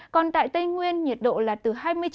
còn tại tây nguyên nhiệt độ là từ hai mươi chín